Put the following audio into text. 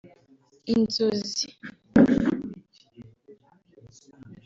Inzozi